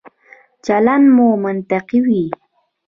چلند مو منطقي وي.